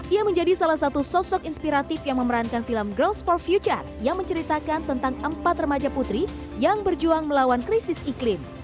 ia menjadi salah satu sosok inspiratif yang memerankan film growth for future yang menceritakan tentang empat remaja putri yang berjuang melawan krisis iklim